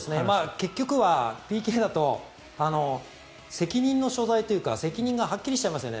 結局はＰＫだと責任の所在というか責任がはっきりしちゃいますよね。